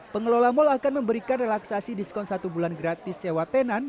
pengelola mal akan memberikan relaksasi diskon satu bulan gratis sewa tenan